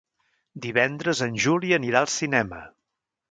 Divendres en Juli anirà al cinema.